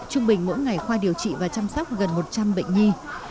trung bình mỗi ngày khoa điều trị và chăm sóc gần một trăm linh bệnh nhi